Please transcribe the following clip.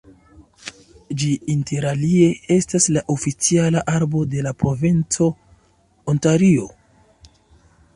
Ĝi interalie estas la oficiala arbo de la provinco Ontario.